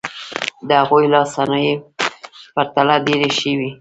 د هغوی لاسي صنایع په پرتله ډېرې ښې وې.